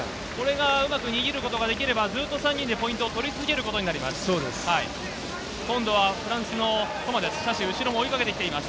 うまく逃げることができればずっと３人でポイントを取り続けることになります。